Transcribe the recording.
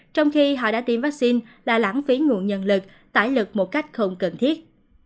trong khi họ đã tiêm vaccine là lãng phí nguồn nhân lực tải lực một cách không cần thiết